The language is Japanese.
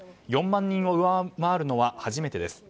４万人を上回るのは初めてです。